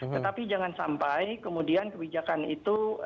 tetapi jangan sampai kemudian kebijakan itu